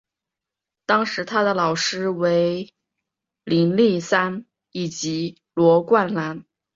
当时他的老师为林立三以及罗冠兰。